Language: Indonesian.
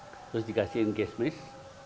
terus dikasih kismis